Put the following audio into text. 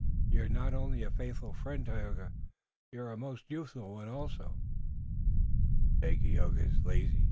You're not only a faithful friend, Tayoga, you're a most useful one also." "Dagaeoga is lazy.